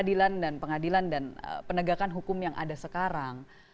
dan juga dengan pengadilan dan penegakan hukum yang ada sekarang